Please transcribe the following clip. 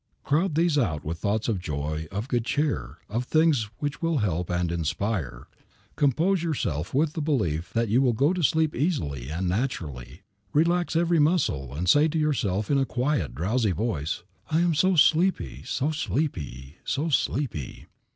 Crowd these out with thoughts of joy, of good cheer, of things which will help and inspire. Compose yourself with the belief that you will go to sleep easily and naturally; relax every muscle and say to yourself in a quiet drowsy voice, "I am so sleepy, so sleepy, so sleepy."